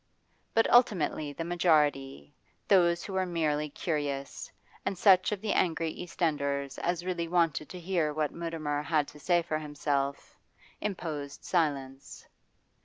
But ultimately the majority, those who were merely curious, and such of the angry East Enders as really wanted to hear what Mutimer had to say for himself, imposed silence.